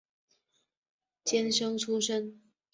监生出身。